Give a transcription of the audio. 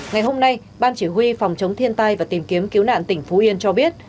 ngày hôm nay ban chỉ huy phòng chống thiên tai và tìm kiếm cứu nạn tỉnh phú yên cho biết